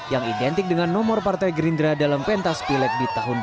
yang identik dengan nomor partai gerindra dalam pentas pilek di tahun dua ribu sembilan belas